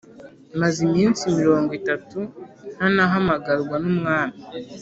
maze iminsi mirongo itatu ntanahamagarwa n’umwami.»